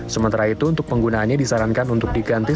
sementara itu untuk penggunaannya disarankan untuk diganti